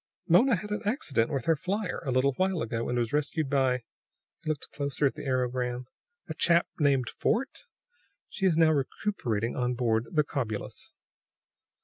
"Mona had an accident with her flier, a little while ago, and was rescued by " he looked closer at the aerogram "a chap named Fort. She is now recuperating on board the Cobulus."